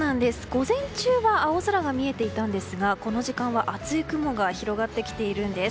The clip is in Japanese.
午前中は青空が見えていたんですがこの時間は、厚い雲が広がってきているんです。